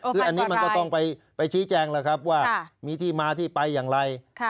คืออันนี้มันก็ต้องไปชี้แจงแล้วครับว่ามีที่มาที่ไปอย่างไร